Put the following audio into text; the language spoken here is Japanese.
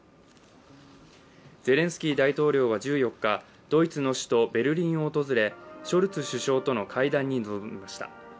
ゼレンスキー大統領は１４日、ドイツの首都ベルリンを訪れ、ショルツ首相との会談に臨みました。